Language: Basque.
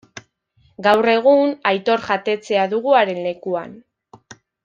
Gaur egun Aitor Jatetxea dugu haren lekuan.